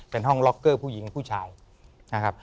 เป็นห้องล็อกเกอร์ผู้หญิงผู้ชายนะครับ